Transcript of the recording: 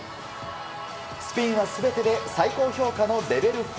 スピンは全てで最高評価のレベル４。